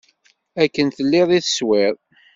Akken telliḍ i teswiḍ.